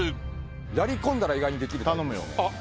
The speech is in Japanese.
やり込んだら意外にできると思います。